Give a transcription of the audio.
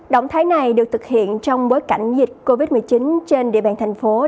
động thái này được thực hiện trong bối cảnh dịch covid một mươi chín trên địa bàn thành phố